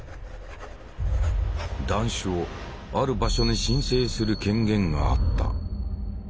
断種をある場所に申請する権限があった。